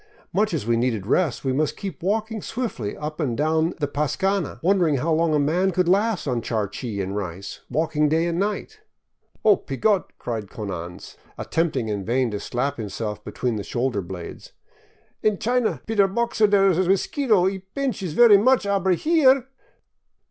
Much as we needed rest, we must keep walking swiftly up and down the pascana, wondering how long a man would last on charqui and rice, walking day and night. " Oh, py Gott !" cried Konanz, attempting in vain to slap himself between the shoulder blades. " In China py der Boxer der mosquito he pinch is very much, aber here